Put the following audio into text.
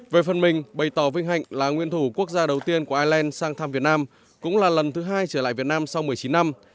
về phần mình bày tỏ vinh hạnh là nguyên thủ quốc gia đầu tiên của ireland sang thăm việt nam cũng là lần thứ hai trở lại việt nam sau một mươi chín năm